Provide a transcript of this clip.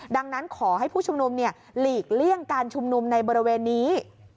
ดังนั้นขอให้ผู้ชุมนุมหลีกเลี่ยงการชุมนุมในบริเวณนี้